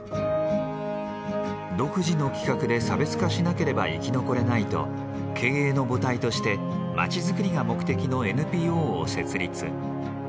独自の企画で差別化しなければ生き残れないと経営の母体として街づくりが目的のＮＰＯを設立。